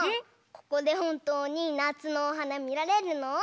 ここでほんとうになつのおはなみられるの？